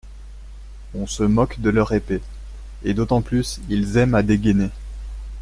On se moque de leur épée ; et d'autant plus, ils aiment à dégainer.